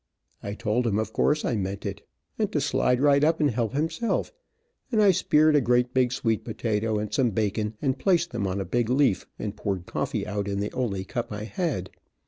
I told him of course I meant it, and to slide right up and help himself, and I speared a great big sweet potato, and some bacon, and placed them on a big leaf, and poured coffee out in the only cup I had.